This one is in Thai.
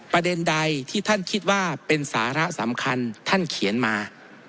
ประเด็นใดที่ท่านคิดว่าเป็นสาระสำคัญท่านเขียนมา